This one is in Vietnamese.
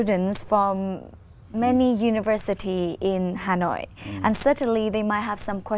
sinh hồn mãy cũng có thể giúp để được tham gia một mùa hè